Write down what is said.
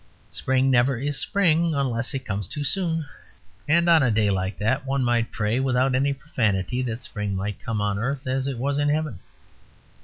Spring never is Spring unless it comes too soon. And on a day like that one might pray, without any profanity, that Spring might come on earth as it was in heaven.